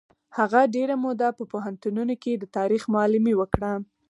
هغه ډېره موده په پوهنتونونو کې د تاریخ معلمي وکړه.